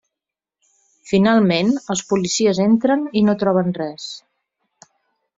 Finalment, els policies entren i no troben res.